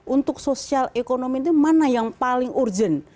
untuk sosial ekonomi itu mana yang paling urgent